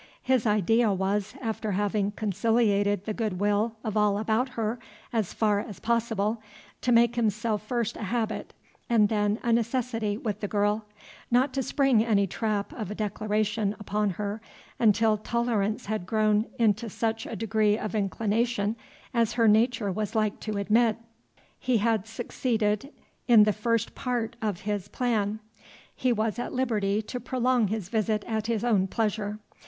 His idea was, after having conciliated the good will of all about her as far as possible, to make himself first a habit and then a necessity with the girl, not to spring any trap of a declaration upon her until tolerance had grown into such a degree of inclination as her nature was like to admit. He had succeeded in the first part of his plan. He was at liberty to prolong his visit at his own pleasure.